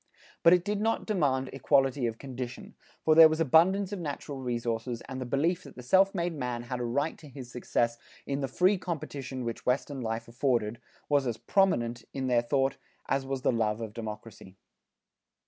But it did not demand equality of condition, for there was abundance of natural resources and the belief that the self made man had a right to his success in the free competition which western life afforded, was as prominent in their thought as was the love of democracy.